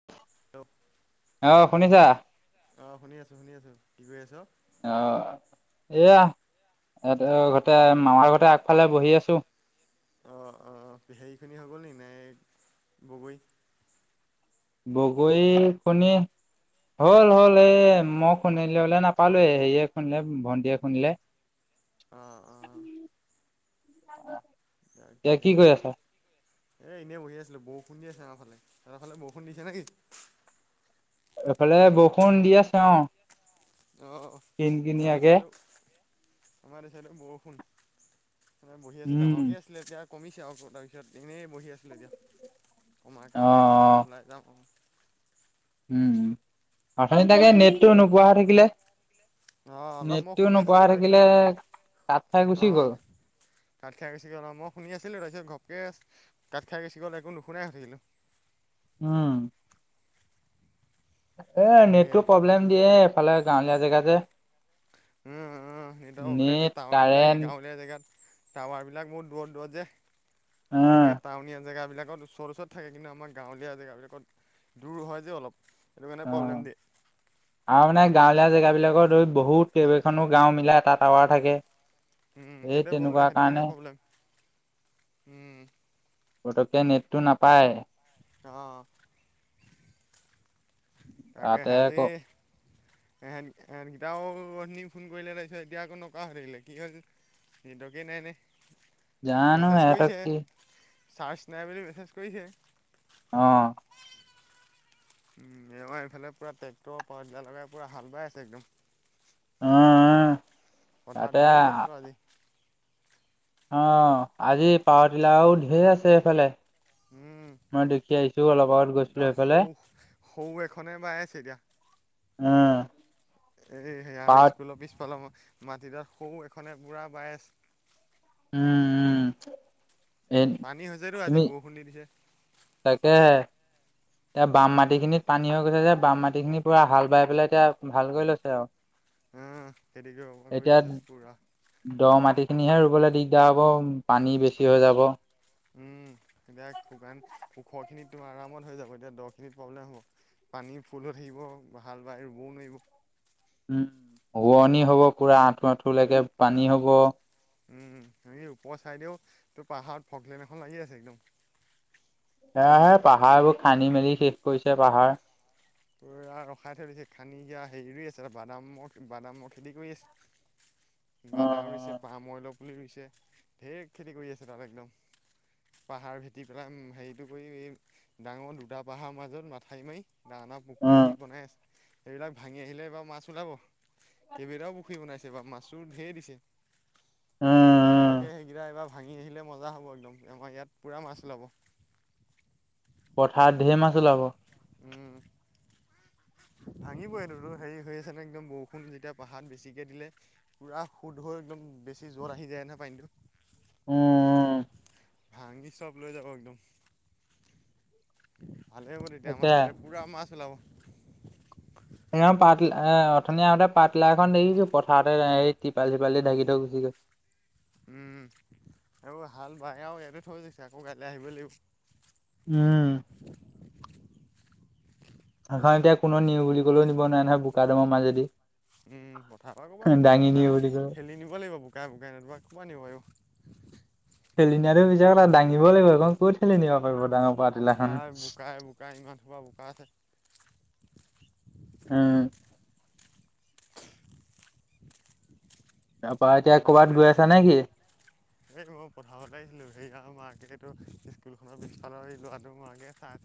Hello. অ' শুনিছা? অ' শুনি আছোঁ শুনি আছোঁ। কি কৰি আছ? অ' এইয়া ইতে, ঘৰতে মামাৰ ঘৰতে আগফালে বহি আছোঁ। অ', অ' সেইখিনি হৈ গ'ল নেকি মে বগৰী? বগৰীখিনি হ'ল হ'ল এ, মই খুন্দিবলে নাপালোঁ, হেয়ে খুন্দিলে ভন্টিয়ে খুন্দিলে। অ', অ'। [unintelligible] এতিয়া কি তাকেহে। কৰি আছা? এ, এনে বহি আছিলোঁ, বৰষুণ দি আছে আমাৰফালে। সেইফালে বৰষুণ দিছে নেকি? এইফালে বৰষুণ দি আছে অ'। অ' কিন আমাৰ এই কিনিয়াকে চাইডেও আমাৰ এই চাইডেও বৰষুণ। মে বহি আছোঁ, উম, ডাঙৰকে আছিলে এতিয়া কমিছে আ, তাৰপিছত এনেই বহি আছিলোঁ এতিয়া। কমাৰ অ', কাৰণেও অ', ওলাই যাম আৰু। উম। অথনি তাকে নেটটো নোপোৱা হৈ থাকিলে। অ অলপ মই নেটোও শুনি নোপোৱা হৈ আছিলোঁ তাৰপিছত থাকিলে, কাট খাই অ গুচি গ'ল। কাট খাই গুচি গ'ল অ' মই শুনি আছিলো তাৰপিছত ঘপকে কাট খাই গুচি গ'ল একো শুনাই নাছিলোঁ। উম। এ, তাকে নেটটো প্ৰব্লেম দিয়ে, এফালে গাঁৱলীয়া জেগা যে। উম, উম, নেটৰ প্ৰব্লেম দিয়ে, নেট, টাৱাৰবিলাক এই কাৰেণ্ট গাঁৱলীয়া জেগাত, টাৱাৰবিলাক বহুত দূৰত দূৰত যে। অ', নেট টাউনীয়া জেগাবিলাকত ওচৰত ওচৰত থাকে কিন্তু আমাৰ গাঁৱলীয়া জেগাবিলাকত দূৰ হয় যে অলপ সেইটো কাৰণে অ'। প্ৰব্লেম দিয়ে। আৰু মানে গাঁৱলীয়া জেগাবিলাকৰ ধৰি বহুত কেইবেইখনো গাঁও মিলাই এটা টাৱাৰ থাকে। [inaudible] উম, এই সেইটোৱে প্ৰব্লেম, তেনেকুৱা সেইটো কাৰণে প্ৰব্লেম উম। পটককে নেটটো নাপায়। অ। তাকে [unintelligible] তাতে আকৌ [unintelligible] ফোন কৰিলে তাৰপিছত এতিয়া আকৌ নকৰা হৈ থাকিলে কি [unintelligible] জানো মেছেজ সিহঁতক কৰিছে, কি চাৰ্জ নাই বুলি মেছেজ কৰিছে। অ। উম আমাৰ এইফালে পুৰা ট্ৰেক্টৰ পা লগাই পুৰা হাল বাই আছে একদম। অ আহ পথাৰত ধেৰ টেক্টৰ আজি। অ আজি পাৱৰ্তিলাও ধেৰ আছে এইফালে, উম, মই দেখি আহিছো অলপ আগত এতিয়া গৈছিলো সেইফালে সৌ সৌ এখনে বাই আছে এতিয়া উম। এই সেয় আৰু পাৱত স্কুলৰ পিছফালৰ মাটিতাত সৌ এখনে পুৰা বাই আছে। উম উম। এ পানী হৈছে তো আজি বৰষুণ দি দিছে। তাকে হে। এতিয়া বাম মাটি খিনিত পানী হৈ গৈছে যে, বাম মাটি খিনি পুৰা হাল বাই পেলাই এতিয়া ভাল কৰি লৈছে আৰু। [inaudible] [unintelligible] কৰি এতিয়া দিছে পুৰা দ মাটি খিনিহে ৰুবলৈ দিগদাৰ হ'ব পানী বেছি হৈ যাব। উম এতিয়া শুকান ওখখিনিত তু আৰামত হৈ যাব, এতিয়া দহ খিনিত প্ৰব্লেম হ'ব। পানী ফুলো থাকিব হাল বাই ৰুবও নোৱাৰিব। উম ৰোৱনী হ'ব পুৰা আঁঠু আঁঠুলৈকে পানী হ'ব। উম হৰি ওপৰৰ চাইদেও তোৰ পাহাৰত ভকলেন এখন লাগি আছে একদম। এ পাহাৰবোৰ খান্দি মেলি শেষ কৰিছে পাহাৰ। তৰা ৰখাই থৈছে দিছে খানিকিয়া হেৰি ৰুই আছে বাদামৰ বাদামৰ খেতি কৰি আছে। [inaudible] বাদাম ৰুইছে উম পাম অইলৰ পুলি ৰুইছে, ঢেৰ খেতি কৰি আছে তাত একদম। পাহাৰ ভেটি পেলাই হেৰিটো কৰি ডাঙৰ দুটা পাহাৰ মাজত মাথাই মাৰি ডাঙৰ পুখুৰী উম বনাই আছে, সেইবিলাক ভাঙি আহিলে এইবাৰ মাছ ওলাব। কেইবেইটাও পুখুৰী বনাইছে বা মাছো ঢেৰ দিছে। উম কেনেবাকে সেইকেইটা এইবাৰ ভাঙি আহিলে মজা হ'ব একদম, আমাৰ ইয়াত পূৰা মাছ ওলাব। পথাৰত ঢেৰ মাছ ওলাব। উম। ভাঙিব এইটোতো হেৰি হৈ আছে নে একদম বৰষুণ যেতিয়া পাহাত বেছিকে দিলে। পুৰা সুদ হৈ একদম বেছি জ্বৰত আহি যায় নহয় পানীটো। উম। ভাঙি চব লৈ যাব একদম, ভালে কৰি এতিয়া আমাৰ। তাকে পুৰা মাছ ওলাব। [unintelligible] অথনি আহগতে পাতলা এখন দেখিছো পথাৰতে এইৰি তিপাল চিপালি ঢাকি থৈ গুচি গৈ উম আৰু হাল বাই আৰু এইটো থৈ গৈছে আকৌ কাইলৈ আহিবই লাগিব। উম। সেইখন এতিয়া কোনো নিওঁ বুলি কলেও নিব নোৱাৰে নহয় বোকা দামৰ মাজেদি। উম পথাৰ পৰা ক'বা নিব, দাঙি নিও বুলি ক'লেও ঠেলি নিব লাগিব। বোকাই বুকাই নতুবা [unintelligible] ঠেলি নিয়াটো মিছা কথা দাঙিব লাগিব এইখন ক'ত ঠেলিব ডাঙৰ পাতিলাখন বোকাই বোকাই বোকাই ইমান সোপা বোকা আছে হম। তাৰপৰা এতিয়া মই ক'ৰবাত এইফালে গৈ আছা নে কি? এই মই পথাৰলৈ আহিছিলো [unintelligible] চাই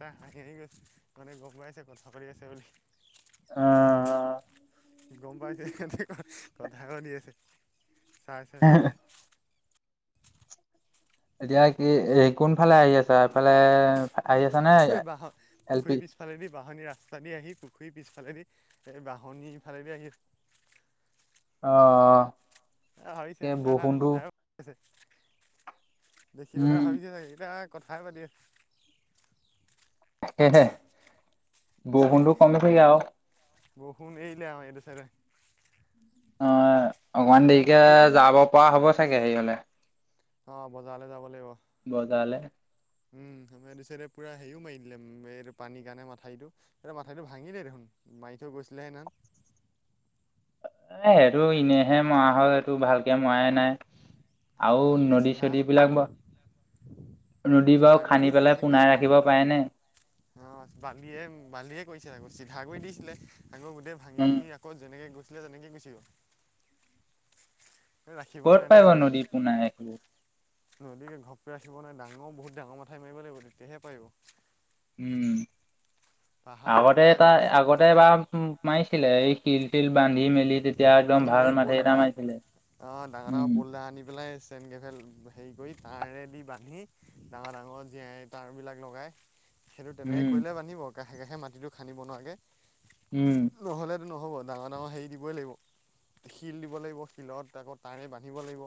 চাই হাঁহি হাঁহি গৈছে মানে গম পাই আছে কথা পাতি আছে বুলি। অ'। গম পাইছে স কথা শুনি আছে চাই চাই উছে এতিয়া কি এই কোনফালে আহি আছ এইফালে আহি আছা নে বাঁহ ৰ এল পি পুখুৰী পিছ পিছফালেদি বাহনি ৰাস্তা দি আহি পুখুৰীৰ পিছফালেদি এই বাহনিফালেদি আহি অ'। এ ভাবিছে এই ইতা বৰষুণটো কথাই ভাব আছে দেখি পেলাই উম, ভাবিছে চাগ ইয়াক কথাই পাতি আছে সেহে বৰষুণটো কমিছেগৈ আৰু বৰষুণ এৰিলে এইটো চাইদে অ', অকণমান সেইখন দেৰিকে পুখুৰীত যাব পৰা হ'ব চাগে হেৰিয়লে অ', বজালে যাব লাগিব। বজাৰলে উম আমাৰ ইটো চাইদে পুৰা হেৰিও মাৰি দিলে এইটো পানীৰ কাৰণে মাথাইৰিটো এই মাথাউৰিটো ভাঙিল দেখোন মাৰি থৈ গৈছিলেহে হেদিনাখন। এ সেইটো এনেইহে মৰা হ'ল এইটো ভালকে মৰাই নাই। আৰু এনেই নদী চিধা চদি বিলাক ব ৰদী বু চিধা খান্দি পেলাই পুনাই ৰাখিব পাৰেনে। অ', বালিয়ে, বালিয়ে কৈছিল আকৌ চিধা কৰি দিছিলে আকৌ গোটেই ভাঙি উম। চিঙি ক'ত যেনেকে গৈছিলেনেকে গুছিআহিব। এই ৰাখিব ক'ত নাই ন পাৰিব বালি নদী দি পোনাই এইবোৰ নদীকে ঘপকে ৰাখিব নাই ডাঙৰ বহুত ডাঙৰ মাথাই মাৰিব লাগিব তেতিয়াহে পাৰিব উম, পাহাৰত আগতে এটা গেজা আগতে এবাৰ মাৰিছিলে এই তিল, তিল বান্ধি মেলি তেতিয়া একদম ভাল মাটি এটা মাৰছিলে অ', ডাঙৰ, ডাঙৰ বলদাৰ আনি পেলাই চেনকেফেল হেৰি কৰি বান্ধি ডাঙৰ ডাঙৰ জীয়াই তাঁৰবিলাক লগাই সেইটো তেনেকৈ উম কৰিলে বান্ধিব কাষে কাষে মাটিটো খান্দিব নোৱাৰাকে উম। নহ'লেতো নহ'ব ডাৰ ডাঙৰ হেই দিবই লাগিব শিল দিব লাগিব শিলত আকৌ তাঁৰে বান্ধিব লাগিব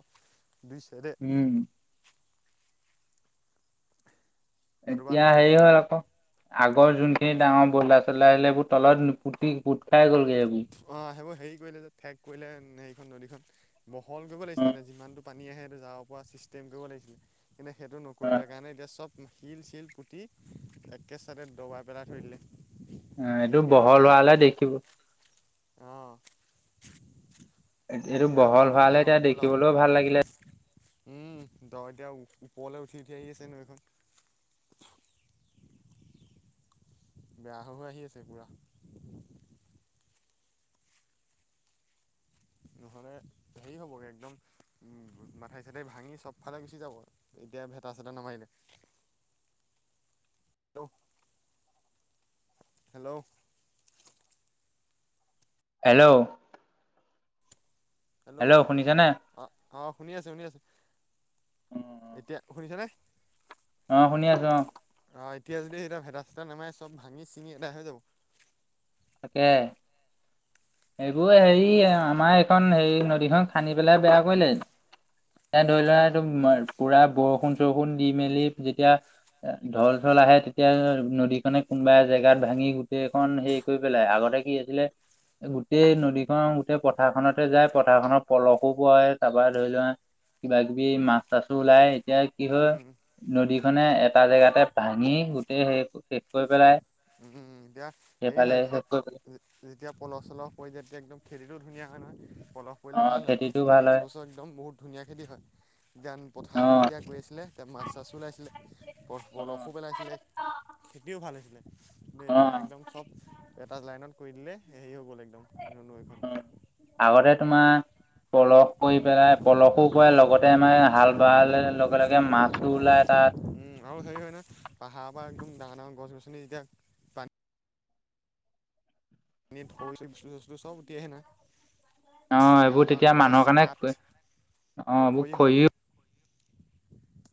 দুই চাইডে উম। নতুবা এতিয়া নহ'ব সে হ'ল আকৌ আগৰ যোনখিনি ডাঙৰ বদলাৰ চলদাৰ আছিলে এইবোৰ তলত পুতি পোট খাই গ'লগে এইবোৰ অ', সেইবোৰ হেৰি কৰিলে যে ঠেক কৰিলে সেইখন নদীখন বহল কৰিব অ', লাগিছিলে যিমানটো পানী আহে সেইটো যাব পৰা ছিষ্টেম কৰিব লাগিছিলে কিন্তু সেইটো অ', নকৰিলে কাৰণে এতিয়া চব শিল চিল পুটি একেচাডে দবাই পেলাই থৈ দিলে। এইটো সেইখিনি আৰু বহল এতিয়া হোৱালে উঠা দেখিব অ'। এইটো সেইখিনি এতিয়া বহল উঠাব হোৱালে নোৱাৰে এতিয়া আৰু গ'ল আৰু। দেখিবলৈও ভাল লাগিলে উম, দ এতিয়া ওপৰলৈ উঠি উঠি আহি আছে নৈখন। বেয়া হৈ হৈ আহি আছে পুৰা। নহ'লে হেৰি হ'বগৈ একদম মাথাই চাথাই ভাঙি চবফালে গুচি যাব। এতিয়া ভেটা চেটা নামাৰিলে। [inaudible] Hello hello. হেল্ল'। হেল্ল'। অ', অ' শুনি আছো শুনি আছো এতিয়া শুনিছেনে। অ', শুনি আছো অ'। অ', এতিয়া যদি সেই তাত ভেটা চেটা নেমাই যদি চব ভাঙি চিঙি এদাই হৈ যাব। তাকে। এইবোৰ হেৰি আৰু আমাৰ এইখন হেৰি নদীখন খান্দি পেলাই বেয়া কৰিলে। এতিয়া ধৰিলোৱা উম তোমাৰ পুৰা বৰষুণ-চৰষুণ দি মেলি যেতিয়া ঢল-চল আহে তেতিয়া নদীখনে কোনোবা জেগাত ভাঙি গোটেইখন শেষ কৰি পেলাই, আগতে কি আছিলে গোটেই নদীখন গোটেই পথাৰখনতে যায় পথাৰখনৰ পলসো পৰে তাৰপৰা ধৰিলোৱা কিবা-কিবি মাছ-চাছো ওলাই। এতিয়া কি হয় উম নদীখনে এটা জেগাতে ভাঙি গোটেই শেষ, শেষ কৰি পেলাই। উম, এতিয়া হেৰি সেইফালে হয় যেতিয়া শেষ কৰি পল পেলাই যেতিয়া পলহ-চলহ পৰি যেতিয়া একদম খেতিতো ধুনীয়া হয় নহয়। পলহ অ পৰিলে ভাল হয় খেতিটো খেতি ভাল নেক্স হয় বছৰ একদম বহুত ধুনীয়া খেতি হয়, যেতিয়া পথাৰ দি অ যেতিয়া গৈ আছিলে তেতিয়া অ মাছ-চাছও ওলাইছিলে। প-পলসো পেলাইছিলে খেতিও ভাল হৈছিলে, কিন্তু এতিয়া অ', একদম চব এটা লাইনত কৰি দিলে, হেৰি হৈ গ'ল একদম নৈখন। আগতে তোমাৰ পলস কৰি পেলাই, পলসো কৰে লগতে আমাৰ হাল বাই দিয়া লগে-লগে মাছো ওলায় তাত। আৰু হেৰি হয় নহয়, পাহাৰ পৰা একদম ডাঙৰ-ডাঙৰ গছ-গছনি যেতিয়া পানীত [unintelligible] চব উতি আহে নহয়। অহ, ডাঙৰ এইবোৰ ডাঙৰ তেতিয়া গছ মানুহৰ কাঠ কাৰণে অহ, এইবোৰ খৰি [inaudible]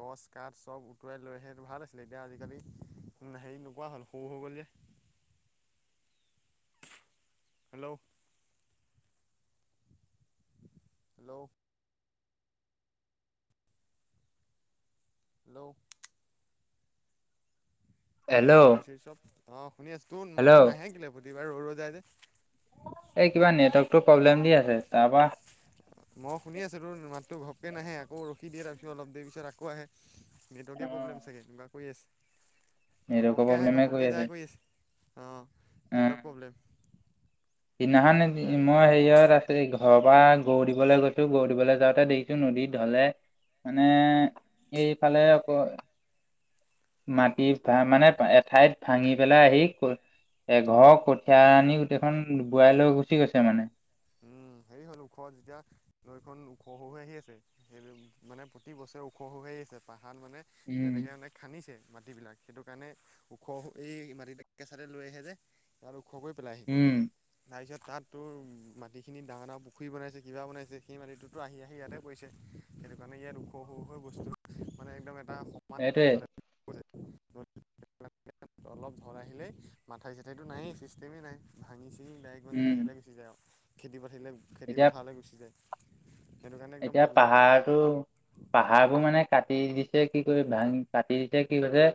গছ-কাঠ চব উটুৱাই লৈ আহে ভাল আছিলে, এতিয়া আজিকালি হেৰি নোপোৱা হ'ল, সৰু হৈ গ'ল যে। হেল্ল'। হেল্ল'। হেল্ল'। হেল্ল' খৰি-চৰি চব অহ, শুনি আছোঁ। তোৰ মাততো হেল্ল' নাহে কেলে, প্ৰতিবাৰে ৰৈ ৰৈ যাই যে। এই কিবা নেটৱৰ্কতো প্ৰব্লেম দি আছে তাৰপা। মই শুনি আছোঁ তোৰ মাততো ঘপকে নাহে, আকৌ ৰখি দিয়ে, তাৰপিছত অলপ দেৰি পিছত আকৌ আহে। অ নেটৱৰ্কেৱে প্ৰব্লেম চাগে এনেকুৱা কৰি আছে। নেটৱৰ্কৰ ঘপককৈ আহে প্ৰব্লেমে ঘপককৈ আছে যায় কৰি আছে অহ, অ নেটৱৰ্ক প্ৰব্লেম। সিদিনাখন মই হেৰিয়ত আছোঁ। ঘৰৰ পৰা গৰু দিবলৈ গৈছোঁ, গৰু দিবলৈ যাওঁতে দেখিছোঁ নদী ঢলে। মানে এইফালে আকৌ মাটি ভা মানে এঠাইত ভাঙি পেলাই আহি এঘৰৰ কঠীয়া আনি গোটেইখন বোৱাই লৈ গুচি গৈছে মানে। উম, হেৰি হ'ল ওখ যেতিয়া, নৈখন ওখ হৈ হৈ আহি আছে। সেই মানে প্ৰতি বছৰে ওখ ওখ হৈ হৈ আহি আছে, পাহাৰ মানে উম। যেনেকে মানে খান্দিছে মাটিবিলাক সেইটো কাৰণে ওখ এই মাটিবিলাক কেঁচাতে লৈ আহে যে। তাত ওখ কৰি পেলাইহি, উম, তাৰপিছত তাত তোৰ মাটি মাটিখিনি ডাঙৰ-ডাঙৰ পুখুৰী বনাইছে, কিবা বনাইছে সেই মাটিটোতো আহি-আহি ইয়াতে পৰিছে। সেইটো কাৰণে ইয়াত ওখ সৰু হৈ হৈ বস্তু মানে একদম এটা সমান সেইটোৱে। [unintelligible] [unintelligible] অলপ ধল আহিলেই মাথাই চাথাইতটো নায়েই, চিষ্টেমেই নাই ভাঙি-চিঙি ডাইৰে মানে উম, সেয়ালে গুচি যায় আৰু খেতি-বাতিলৈ খেতি এতিয়া পথাৰলৈ গুচি যায়। সেইটো কাৰণে একদম এতিয়া প্ৰব্লেম হৈছে পাহাৰটো পাহাৰবোৰ মানে কাটি দিছে, কি কৰি ভাং, কাটি দিছে কি কৰিছে।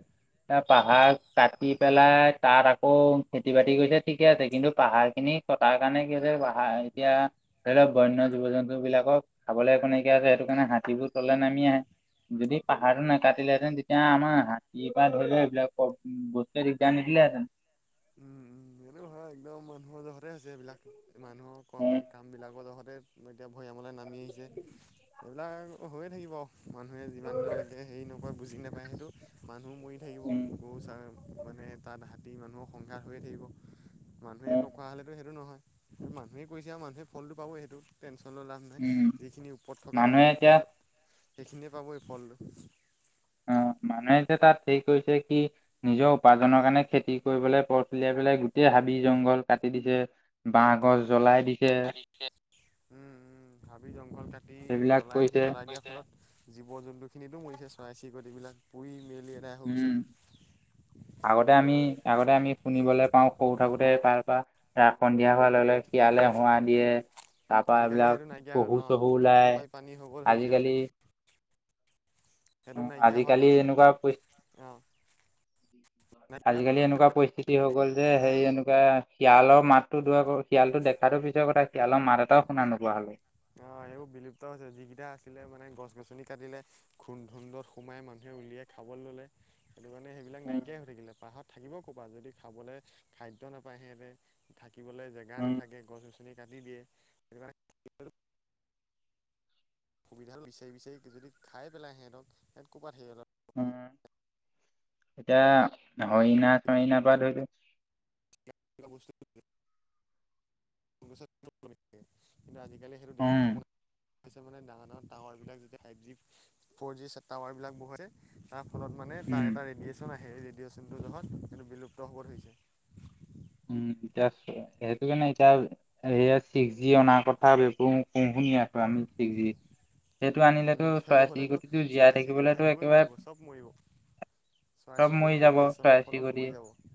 এ পাহাৰ কাটি পেলাই তাত আকৌ খেতি-বাতি কৰিছে। ঠিকে আছে, কিন্তু পাহাৰখিনি কটাৰ কাৰণে কি হৈছে পাহাৰ এতিয়া ধৰি লওঁক বন্য জীৱ-জন্তুবিলাকক খাবলৈ একো নাইকিয়া হৈছে সেইটো কাৰণে হাতীবোৰ তললে নামি আহে। যদি উম পাহাৰতো না কাটিলেহে'তেন তেতিয়া আমাৰ হাতীৰ পৰা ধৰি লও এইবিলাক বস্তুৱে দিগদাৰ নিদিলেহেঁতেন। উম উম এনেও হয়, একদম মানুহৰ জহতে আছে এইবিলাক। মানুহৰ কম উম কামবিলাকৰ জহতে এতিয়া ভৈয়ামলৈ নামি আহিছে, সেইবিলাক হৈয়ে থাকিব আৰু। মানুহে যিমান দিনলৈকে হেৰি নকয় বুজি নাপায় সেইটো, মানুহ মৰি থাকিব উম গৰু চা মানে তাত হাতী মানুহৰ সংঘাত হৈয়ে থাকিব। মানুহে উম নকৰা হ'লেতো সেইটো নহয়, মানুহে কৰিছে আৰু মানুহে ফলটো পাব সেইটো। টেনশ্যন লৈ লাভ নাই উম যিখিনি ওপৰত থকা মানুহে মানুহ এতিয়া সেইখিনিয়ে পাবই ফলটো। অ' মানুহে যেতিয়া তাত হেৰি কৰিছে কি নিজৰ উপাৰ্নৰ কাৰণে খেতি কৰিবালৈ পথ উলিয়াই পেলাই গোটেই হাবি জংঘল কাটি দিছে উম বাঁহ গছ জ্বলাই দিছে উম হাবি জংঘল কাটি সেইবিলাক জ্বলাই দিছে কৰিছে জ্বলাই লত জীৱ জন্তু খিনিতো মৰিছে। চৰাই চিৰিকটি এইবিলাক পুৰি মেলি এদাই হৈ উম গৈছে আগতে আমি আগতে আমি শুনিবলৈ পাওঁ সৰু থাকোতে তাৰ পৰা ৰা সন্ধিয়া হোৱা লগে লগে শিয়ালে হোৱা দিয়ে। তাৰ পৰা আজিকালি এইবিলাক সেইটো নাইকিয়া হ'ল পহু অ চহু ওলাই, পানী হৈ গ'ল ধৰিছে মানে আজিকালি সেইটো নাইকিয়া হোৱা আজিকালি কাৰণ এনেকুৱা অ আজিকালি এনেকুৱা পৰিস্থিতি হৈ গ'ল যে হেৰি এনেকুৱা শিয়ালৰ মাতো দুৰ শিয়ালটো দেখাটো পিছৰ কথা শিয়ালৰ মাত এটাওঁ শুনা নোপোৱা হ'লো। অ' এইবোৰ বিলুপ্ত হৈছে। যিকেইটা আছিলে মানে গছ গছনি কাটিলে, ঘুণ ধুন্দত সোমাই মানুহে উলিয়াই খাবলৈ ল'লে সেইটো কাৰণে সেইবিলাক উম, নাইকিয়াই হৈ থাকিলে। পাহাৰত থাকিব ক'ৰপা যদি খাবলৈ খাদ্য নাপায়, সিহঁতে থাকিবলৈ জেগা উম। নাথাকে, গছ গছ ুনে দিয়ে [inaudible] সুবিধাটো বিচাৰি বিচাৰি যদি খাই পেলাই সিহঁতক সহঁত ক'ৰপৰা থাকিব উম এতিয়া হৰিণা চৰিণাৰ পৰা ধৰিল এটা বস্তু কিন্তু আজিকালি সেইটো দেখিবলৈ উম। পোৱা ন হৈছে মানে ডাঙৰ ডাঙৰ টাৱাৰ বিলাক যেতিয়া five G four G tower বিলাক বহে তাৰ ফলত মানে তাৰ উম, এটা ৰেডিয়েচন আহে ৰেডিয়েচনটোৰ জহত এইটো বিলুপ্ত হ'ব ধৰিছে। উম এতিয়া সেইটো কাৰণে এতিয়া এইয়া ছিক্স জি অনা কথা এইবোৰ কম শুনি আ আমি ছিক্স জি সেইটো উম, আনিলেতো সেইবোৰ চৰাই হ'লেতো চিৰিকটিটো জীয়াই চৰাই চিৰিকটি থাকিবলেতো থাকিবই একেবাৰে নোৱাৰিব চব মৰিব। চৰাই চব মৰি চিৰিকটি যাব ৰেডিয়েশ্যনৰ চৰাই ফলত চিৰিকটি। মৰি যাব। উম।